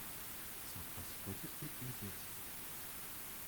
Sa principauté est médiatisée.